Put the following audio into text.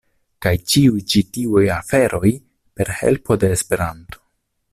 Kaj ĉiuj ĉi tiuj aferoj per helpo de Esperanto.